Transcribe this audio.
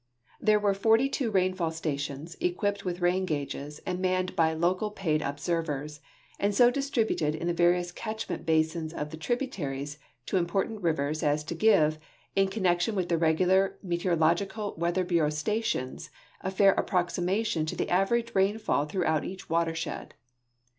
There were 42 rainfall stations, equipped Avith rain gauges and manned by local paid observers, and so distributed in the various catchment basins of the tributaries to important rivers as to give, in connection Avith the regular me teorological Weather Bureau stations, a fair ap])roximation to the average rainhill throughout each Avatershed.